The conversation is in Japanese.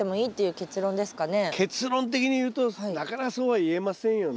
結論的に言うとなかなかそうは言えませんよね。